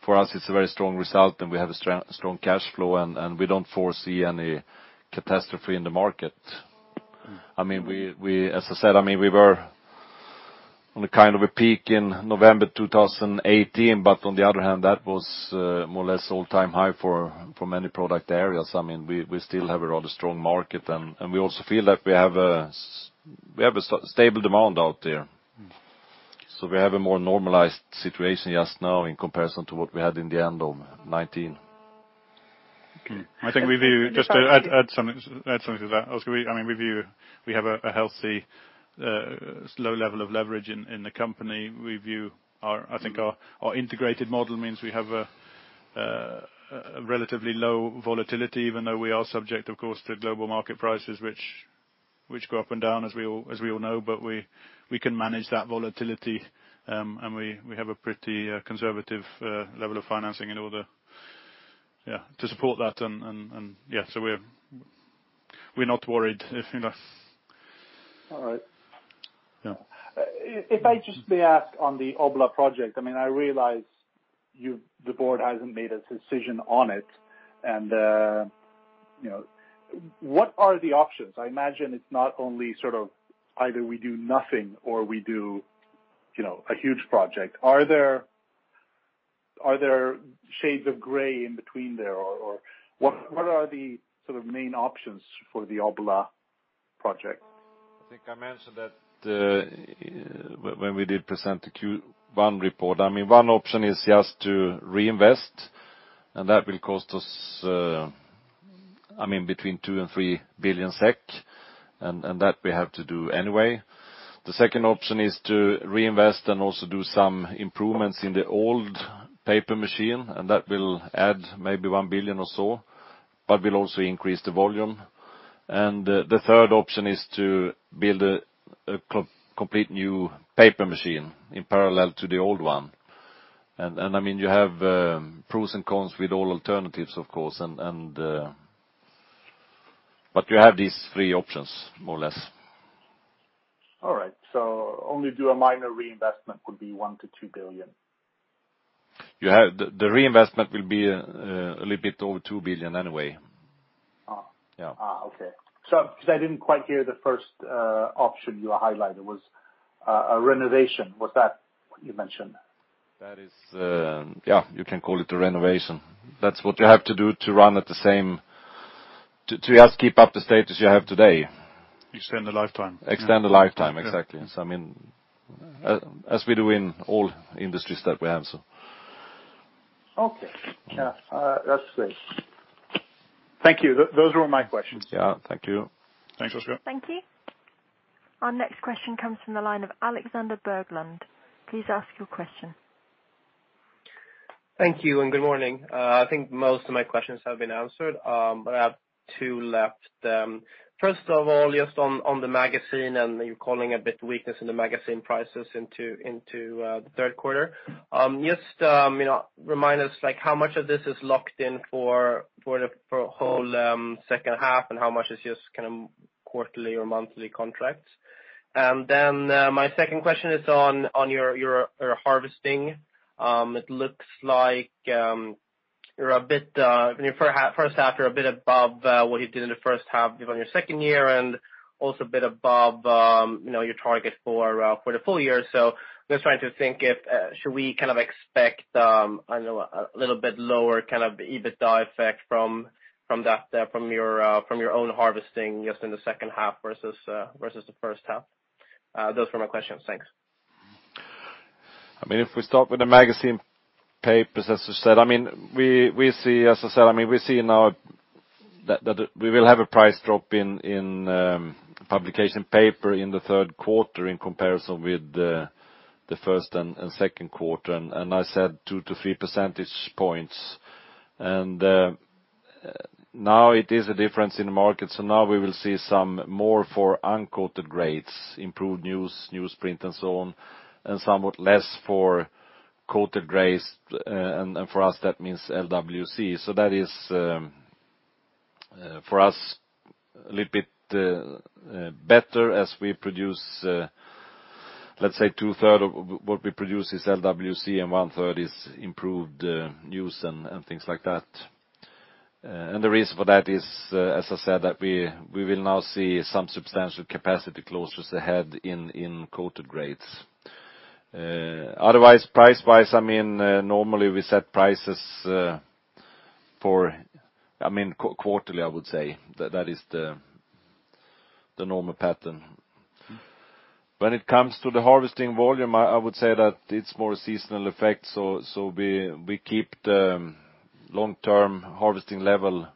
for us, it's a very strong result, and we have a strong cash flow, and we don't foresee any catastrophe in the market. As I said, we were on a peak in November 2018. On the other hand, that was more or less all-time high for many product areas. We still have a rather strong market, and we also feel that we have a stable demand out there. We have a more normalized situation just now in comparison to what we had in the end of 2019. I think just to add something to that, Oskar. We have a healthy, low level of leverage in the company. I think our integrated model means we have a relatively low volatility, even though we are subject, of course, to global market prices, which go up and down as we all know. We can manage that volatility, and we have a pretty conservative level of financing in order to support that. Yeah, we're not worried, if that's All right. Yeah. If I just may ask on the Obbola project, I realize the board hasn't made a decision on it. What are the options? I imagine it's not only either we do nothing or we do a huge project. Are there shades of gray in between there, or what are the main options for the Obbola project? I think I mentioned that when we did present the Q1 report. One option is just to reinvest, and that will cost us between 2 billion and 3 billion SEK, and that we have to do anyway. The second option is to reinvest and also do some improvements in the old paper machine, and that will add maybe 1 billion or so, but will also increase the volume. The third option is to build a complete new paper machine in parallel to the old one. You have pros and cons with all alternatives, of course, but you have these three options, more or less. All right. Only do a minor reinvestment could be 1 billion-2 billion. The reinvestment will be a little bit over 2 billion anyway. Okay. I didn't quite hear the first option you highlighted, was a renovation, was that what you mentioned? That is, yeah, you can call it a renovation. That's what you have to do to just keep up the status you have today. Extend the lifetime. Extend the lifetime, exactly. As we do in all industries that we have. Okay. Yeah, that's great. Thank you. Those were my questions. Yeah, thank you. Thanks, Oskar. Thank you. Our next question comes from the line of Alexander Berglund. Please ask your question. Thank you. Good morning. I think most of my questions have been answered. I have two left. First of all, just on the magazine, you're calling a bit weakness in the magazine prices into the third quarter. Just remind us, how much of this is locked in for the whole second half, and how much is just quarterly or monthly contracts? My second question is on your harvesting. It looks like you're a bit above what you did in the first half on your second year and also a bit above your target for the full year. I'm just trying to think if, should we kind of expect, I know a little bit lower kind of EBITDA effect from your own harvesting just in the second half versus the first half. Those were my questions. Thanks. If we start with the magazine papers, as you said, we see now that we will have a price drop in publication paper in the third quarter in comparison with the first and second quarter, and I said two to three percentage points. Now it is a difference in the market. Now we will see some more for uncoated grades, improved news, newsprint and so on, and somewhat less for coated grades, and for us that means LWC. That is, for us, a little bit better as we produce, let's say two-third of what we produce is LWC and one-third is improved news and things like that. The reason for that is, as I said, that we will now see some substantial capacity closures ahead in coated grades. Otherwise, price-wise, normally we set prices quarterly, I would say. That is the normal pattern. When it comes to the harvesting volume, I would say that it's more a seasonal effect. We keep the long-term harvesting level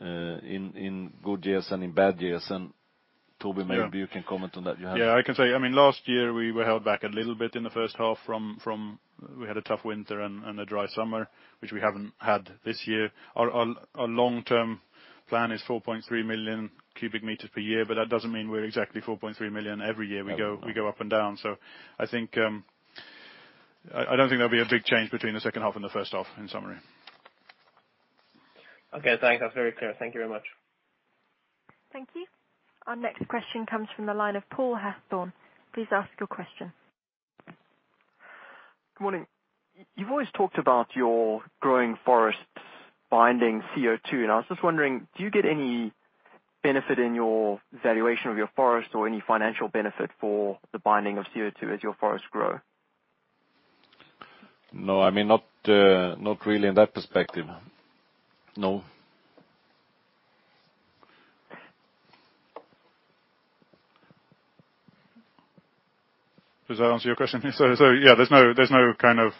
in good years and in bad years. Toby, maybe you can comment on that. Yeah, I can say. Last year we were held back a little bit in the first half, we had a tough winter and a dry summer, which we haven't had this year. Our long-term plan is 4.3 million cubic meters per year, that doesn't mean we're exactly 4.3 million every year. We go up and down. I don't think there'll be a big change between the second half and the first half, in summary. Okay, thanks. That's very clear. Thank you very much. Thank you. Our next question comes from the line of Cole Hathorn. Please ask your question. Good morning. You've always talked about your growing forests binding CO2, and I was just wondering, do you get any benefit in your valuation of your forest or any financial benefit for the binding of CO2 as your forests grow? No, not really in that perspective. No. Does that answer your question? Yeah, there's no kind of.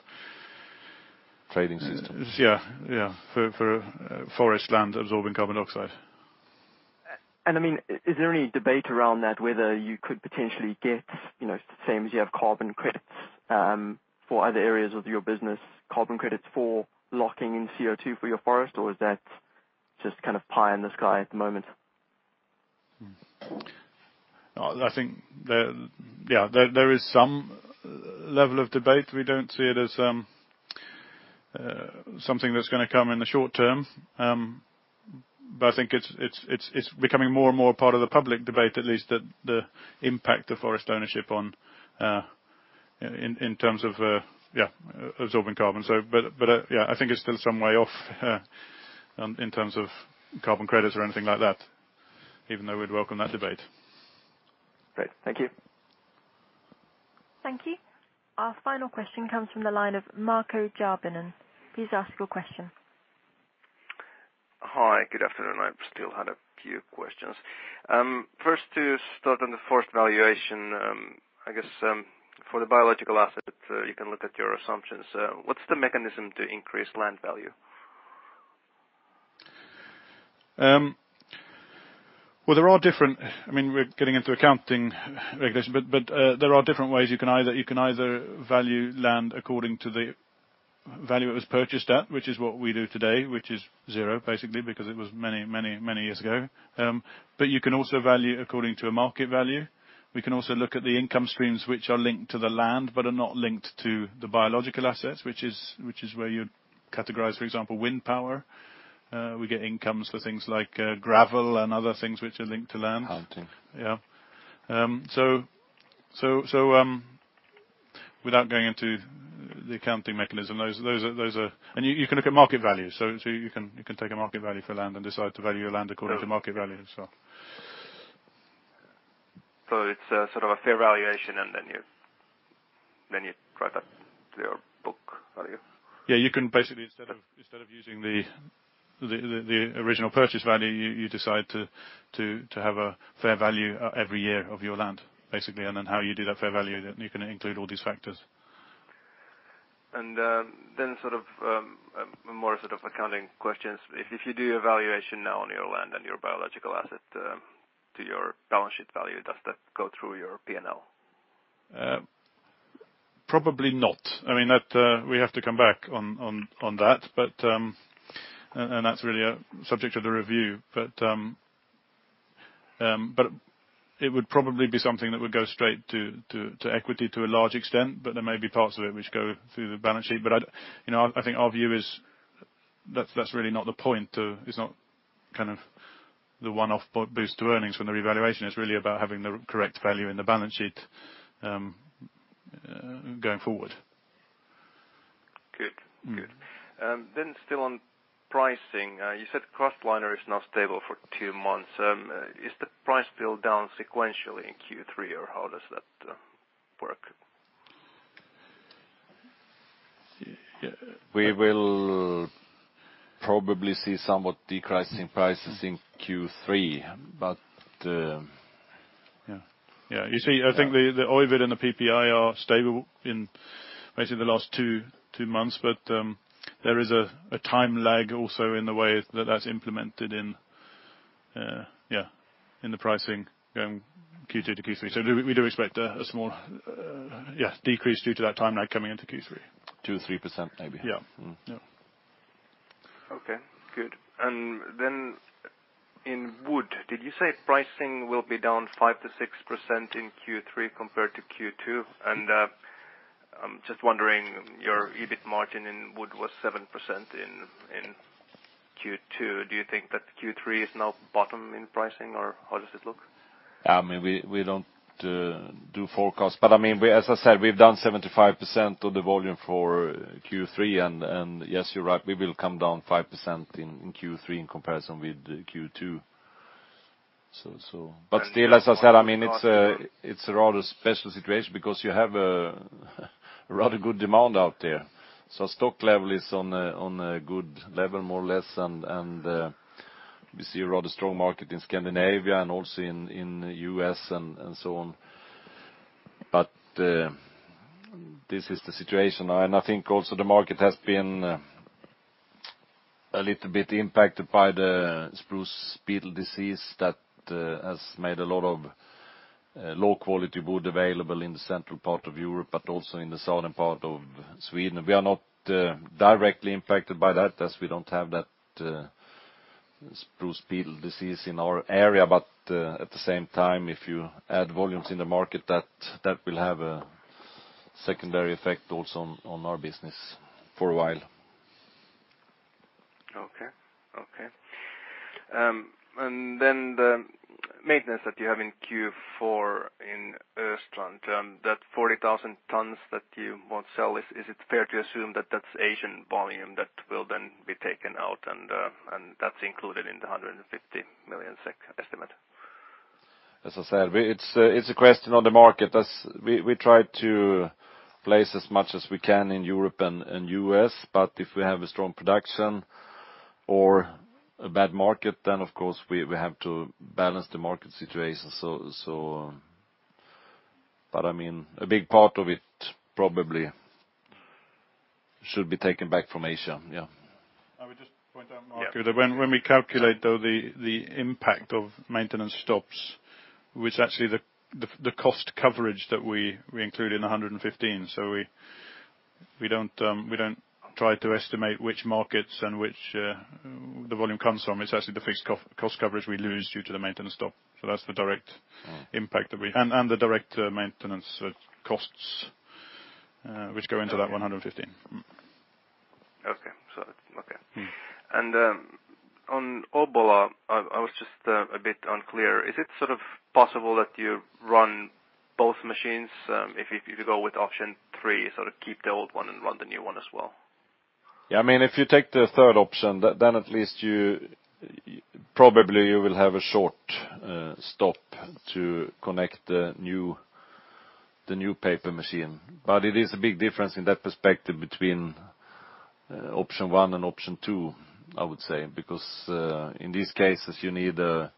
Trading system. Yeah. For forest land absorbing carbon dioxide. Is there any debate around that, whether you could potentially get, same as you have carbon credits for other areas of your business, carbon credits for locking in CO2 for your forest, or is that just kind of pie in the sky at the moment? I think there is some level of debate. We don't see it as something that's going to come in the short term. I think it's becoming more and more a part of the public debate, at least the impact of forest ownership in terms of absorbing carbon. I think it's still some way off in terms of carbon credits or anything like that, even though we'd welcome that debate. Great. Thank you. Thank you. Our final question comes from the line of Marco Jarvinen. Please ask your question. Hi, good afternoon. I still had a few questions. First, to start on the forest valuation, I guess for the biological asset, you can look at your assumptions. What's the mechanism to increase land value? Well, we're getting into accounting regulation, but there are different ways. You can either value land according to the value it was purchased at, which is what we do today, which is zero, basically, because it was many, many, many years ago. You can also value according to a market value. We can also look at the income streams which are linked to the land but are not linked to the biological assets, which is where you'd categorize, for example, wind power. We get incomes for things like gravel and other things which are linked to land. Hunting. Yeah. Without going into the accounting mechanism, you can look at market value. You can take a market value for land and decide to value your land according to market value. It's sort of a fair valuation, and then you drive that to your book value. Yeah, you can basically, instead of using the original purchase value, you decide to have a fair value every year of your land, basically. Then how you do that fair value, you can include all these factors. More accounting questions. If you do a valuation now on your land and your biological asset to your balance sheet value, does that go through your P&L? Probably not. We have to come back on that. That's really a subject of the review. It would probably be something that would go straight to equity to a large extent, but there may be parts of it which go through the balance sheet. I think our view is that's really not the point, it's not the one-off boost to earnings from the revaluation. It's really about having the correct value in the balance sheet going forward. Good. Still on pricing. You said kraftliner is now stable for two months. Is the price still down sequentially in Q3, or how does that work? We will probably see somewhat decreasing prices in Q3. Yeah. You see, I think the EUWID and the PPI are stable in basically the last two months, but there is a time lag also in the way that that's implemented in the pricing going Q2 to Q3. We do expect a small decrease due to that time lag coming into Q3. 2% or 3%, maybe. Yeah. Okay, good. In wood, did you say pricing will be down 5%-6% in Q3 compared to Q2? I'm just wondering, your EBIT margin in wood was 7% in Q2. Do you think that Q3 is now bottom in pricing, or how does it look? We don't do forecasts. As I said, we've done 75% of the volume for Q3, and yes, you're right, we will come down 5% in Q3 in comparison with Q2. Still, as I said, it's a rather special situation because you have a rather good demand out there. Stock level is on a good level, more or less, and we see a rather strong market in Scandinavia and also in the U.S. and so on. This is the situation. I think also the market has been a little bit impacted by the spruce beetle disease that has made a lot of low-quality wood available in the central part of Europe, but also in the southern part of Sweden. We are not directly impacted by that, as we don't have that spruce beetle disease in our area. At the same time, if you add volumes in the market, that will have a secondary effect also on our business for a while. Okay. The maintenance that you have in Q4 in Östrand, that 40,000 tonnes that you won't sell, is it fair to assume that that's Asian volume that will then be taken out, and that's included in the 150 million SEK estimate? As I said, it's a question on the market. We try to place as much as we can in Europe and U.S., but if we have a strong production or a bad market, then of course we have to balance the market situation. A big part of it probably should be taken back from Asia, yeah. I would just point out, Marco, that when we calculate though the impact of maintenance stops, was actually the cost coverage that we include in 115 million. We don't try to estimate which markets and which the volume comes from. It's actually the fixed cost coverage we lose due to the maintenance stop. That's the direct impact, and the direct maintenance costs which go into that 115 million. Okay. On Obbola, I was just a bit unclear. Is it possible that you run both machines if you go with option three, keep the old one and run the new one as well? If you take the third option, then at least probably you will have a short stop to connect the new paper machine. It is a big difference in that perspective between option one and option two, I would say, because in these cases you need a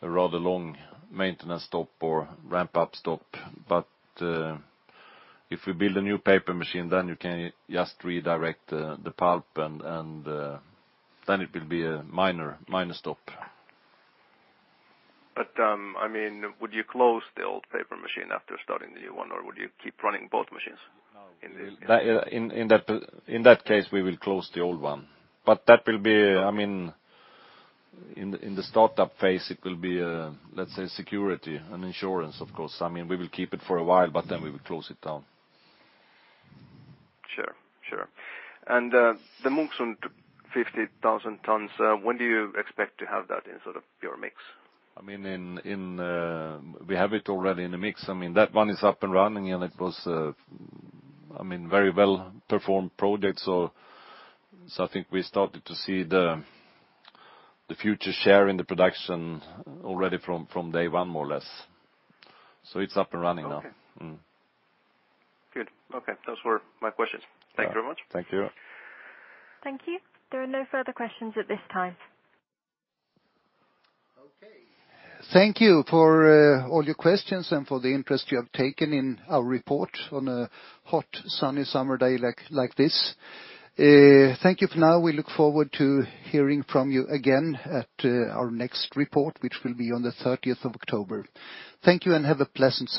rather long maintenance stop or ramp-up stop. If we build a new paper machine, then you can just redirect the pulp, and then it will be a minor stop. Would you close the old paper machine after starting the new one, or would you keep running both machines? In that case, we will close the old one. In the startup phase, it will be, let's say, security and insurance, of course. We will keep it for a while, but then we will close it down. Sure. The Munksund 50,000 tonnes, when do you expect to have that in your mix? We have it already in the mix. That one is up and running, and it was a very well-performed project. I think we started to see the future share in the production already from day one, more or less. It's up and running now. Okay. Good. Okay. Those were my questions. Thank you very much. Thank you. Thank you. There are no further questions at this time. Okay. Thank you for all your questions and for the interest you have taken in our report on a hot, sunny summer day like this. Thank you for now. We look forward to hearing from you again at our next report, which will be on the 30th of October. Thank you, and have a pleasant summer.